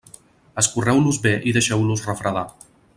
Escorreu-los bé i deixeu-los refredar.